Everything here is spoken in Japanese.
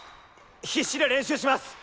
必死で練習します！